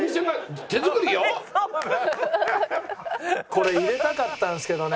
これ入れたかったんですけどね。